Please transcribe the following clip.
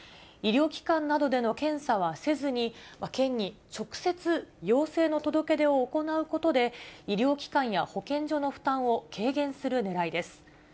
医療機関などでの検査はせずに、県に直接陽性の届け出を行うことで、医療機関や保健所の負担を軽減するねらいです。